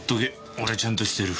俺はちゃんとしてる。